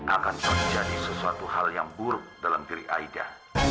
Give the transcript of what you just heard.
akan terjadi sesuatu hal yang buruk dalam diri aida